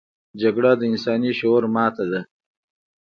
جګړه د انساني شعور ماتې ده